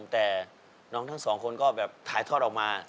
แต่น้อง๒คนก็แบบถ่ายทอดออกมา